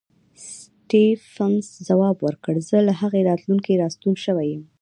سټېفنس ځواب ورکوي زه له هغې راتلونکې راستون شوی یم